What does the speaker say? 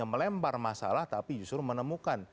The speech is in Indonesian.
melempar masalah tapi justru menemukan